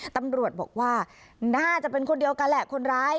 ตำรวจบอกว่าน่าจะเป็นคนเดียวกันแหละคนร้าย